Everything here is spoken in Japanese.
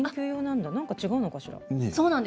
何か違うのかしら？